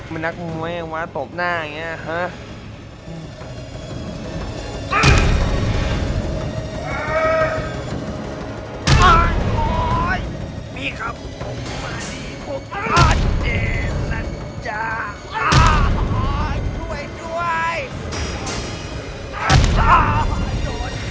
มันต้องกลับไปที่นี่